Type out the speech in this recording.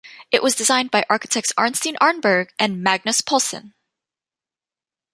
It was designed by architects Arnstein Arneberg and Magnus Poulsson.